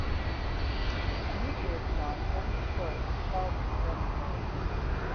A meteor storm then destroys the starboard generator.